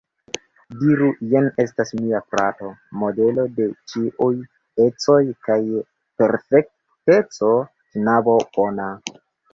Diru: jen estas mia frato, modelo de ĉiuj ecoj kaj perfekteco, knabo bona.